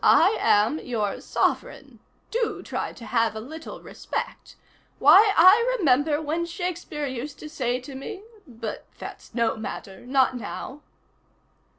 I am your sovereign. Do try to have a little respect. Why, I remember when Shakespeare used to say to me but that's no matter, not now."